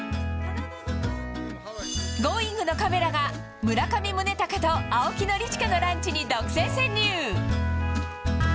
Ｇｏｉｎｇ！のカメラが、村上宗隆と青木宣親のランチに独占潜入。